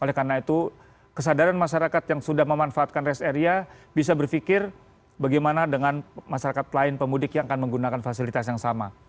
oleh karena itu kesadaran masyarakat yang sudah memanfaatkan rest area bisa berpikir bagaimana dengan masyarakat lain pemudik yang akan menggunakan fasilitas yang sama